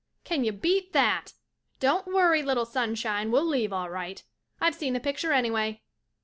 Can you beat that ! Don't worry, little Sunshine, we'll leave all right. I've seen the picture anyway.